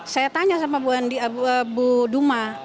saya tanya sama bu duma